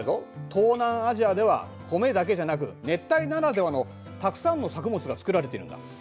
東南アジアではコメだけじゃなく熱帯ならではのたくさんの作物が作られているんだ。